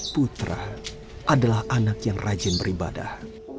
putra adalah anak yang rajin beribadah